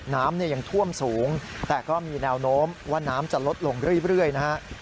น้ำเนี่ยยังท่วมสูงแต่ก็มีแนวโน้มว่าน้ำจะลดลงเรื่อยนะฮะ